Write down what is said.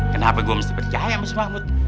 kenapa gue mesti percaya sama si mahmud